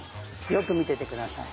よく見てて下さい。